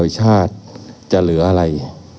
ชาติจะเหลืออะไร